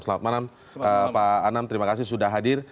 selamat malam pak anam terima kasih sudah hadir